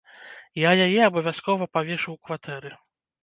Я яе абавязкова павешу ў кватэры.